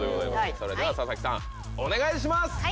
それでは佐々木さんお願いします！